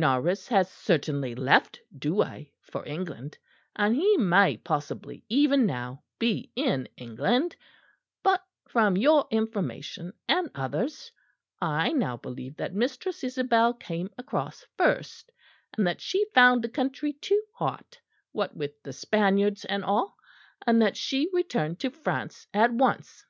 Norris has certainly left Douai for England; and he may possibly even now be in England; but from your information and others', I now believe that Mistress Isabel came across first, and that she found the country too hot, what with the Spaniards and all; and that she returned to France at once.